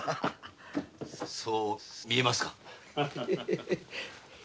そう見えますか？